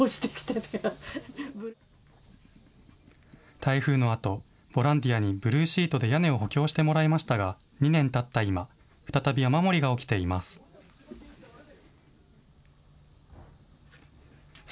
台風のあと、ボランティアにブルーシートで屋根を補強してもらいましたが、２年たった今、再び雨漏りが起きています。